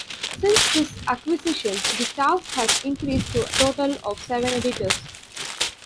Since this acquisition, the staff has increased to a total of seven editors.